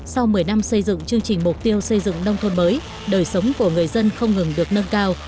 sau một mươi năm xây dựng chương trình mục tiêu xây dựng nông thôn mới đời sống của người dân không ngừng được nâng cao